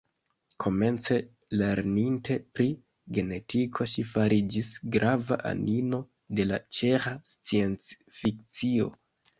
Komence lerninte pri genetiko, ŝi fariĝis grava anino de la ĉeĥa sciencfikcio.